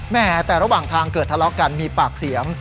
แต่ระหว่างทางเกิดทะเลาะกันมีปากเสียง